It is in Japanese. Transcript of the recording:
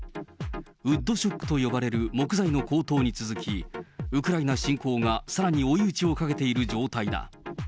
ウッドショックと呼ばれる木材の高騰に続き、ウクライナ侵攻がさらに追い打ちをかけている状態だ。